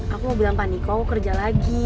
aku mau bilang pak niko kerja lagi